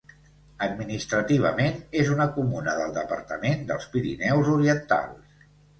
Administrativament és una comuna del departament dels Pirineus Orientals.